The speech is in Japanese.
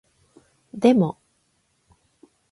でも